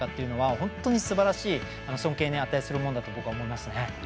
本当にすばらしい尊敬に値するものだと僕は思います。